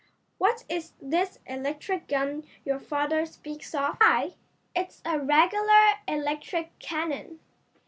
"What is this electric gun your father speaks of?" "Why, it's a regular electric cannon.